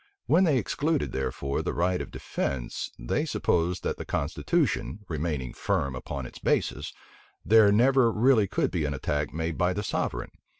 When they excluded, therefore, the right of defence, they supposed that the constitution, remaining firm upon its basis, there never really could be an attack made by the sovereign.